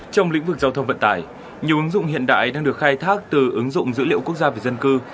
trong lĩnh vực giao thông vận tải nhiều ứng dụng hiện đại đang được khai thác từ ứng dụng dữ liệu quốc gia về dân cư